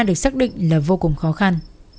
được xác định là vô cùng khó khăn